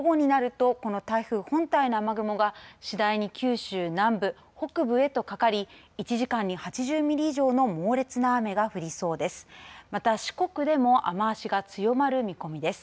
午後になるとこの台風本体の雨雲が次第に九州南部北部へとかかり１時間に８０ミリ以上の猛烈な雨が降りそうです。